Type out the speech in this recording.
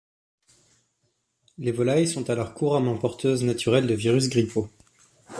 Les volailles sont alors couramment porteuses naturelles de virus grippaux.